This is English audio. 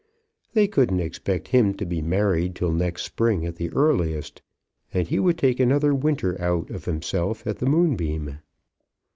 They couldn't expect him to be married till next spring at the earliest, and he would take another winter out of himself at the Moonbeam.